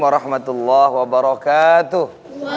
wa rahmatullah wabarakatuh